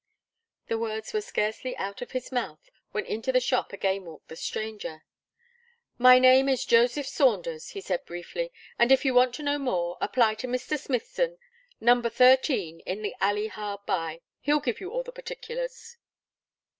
The words were scarcely out of his mouth, when into the shop again walked the stranger. "My name is Joseph Saunders," he said, briefly, "and if you want to know more, apply to Mr. Smithson, number thirteen, in the alley hard by. He'll give you all the particulars."